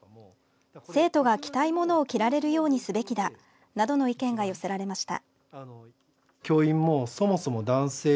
「生徒が着たいものを着られるようにすべきだ」などの意見が寄せられました。